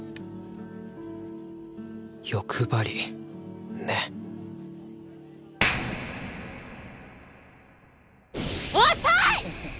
欲張りね遅い！